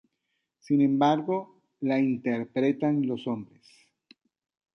Sin embargo, la interpretan los hombres.